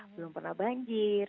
belum pernah banjir